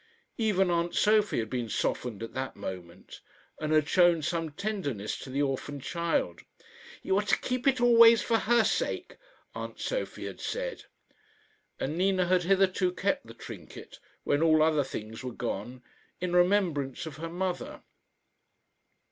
Even aunt Sophie had been softened at that moment, and had shown some tenderness to the orphan child. "You are to keep it always for her sake," aunt Sophie had said; and Nina had hitherto kept the trinket, when all other things were gone, in remembrance of her mother.